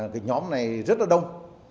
cái nhóm này rất là đông